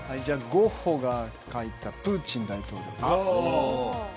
ゴッホが描いたプーチン大統領。